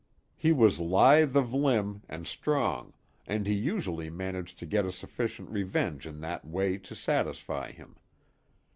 He was lithe of limb and strong, and he usually managed to get a sufficient revenge in that way to satisfy him.